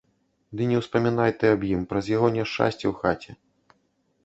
Ды не ўспамінай ты аб ім, праз яго няшчасце ў хаце.